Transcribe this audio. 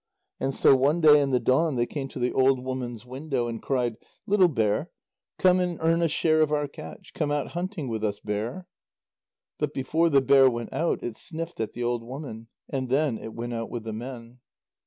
And so one day in the dawn, they came to the old woman's window and cried: "Little bear, come and earn a share of our catch; come out hunting with us, bear." But before the bear went out, it sniffed at the old woman. And then it went out with the men.